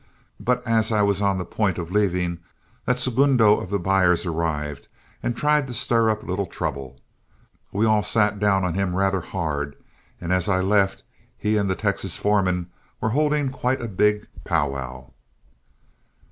But as I was on the point of leaving, that segundo of the buyers arrived and tried to stir up a little trouble. We all sat down on him rather hard, and as I left he and the Texas foreman were holding quite a big pow wow."